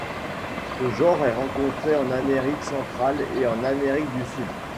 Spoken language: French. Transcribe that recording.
Ce genre est rencontré en Amérique centrale et en Amérique du Sud.